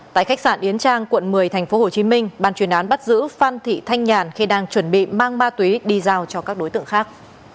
tại khách sạn yến trang quận một mươi tp hcm ban chuyên án bắt giữ phan thị thanh nhàn khi đang chuẩn bị mang ma túy đi giao cho các đối tượng khác